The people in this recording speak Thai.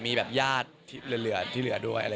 มีแบบญาติที่เหลือด้วย